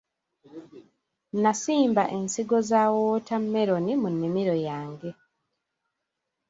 Nasimba ensigo za wootammeroni mu nnimiro yange.